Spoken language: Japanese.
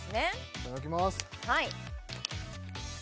いただきます